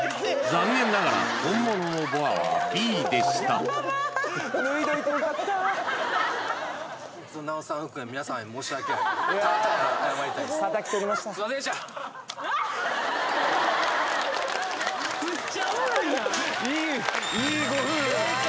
残念ながら本物のＢｏＡはＢでしたいいご夫婦正解